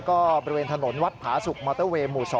ก็บริเวณถนนวัดผาสุกมอเตอร์เวย์หมู่๒